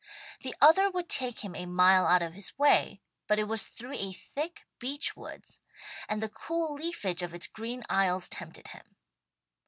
The other would take him a mile out of his way, but it was through a thick beech woods, and the cool leafage of its green aisles tempted him.